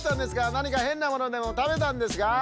なにかへんなものでもたべたんですか？